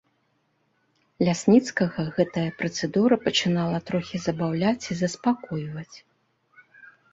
Лясніцкага гэтая працэдура пачынала трохі забаўляць і заспакойваць.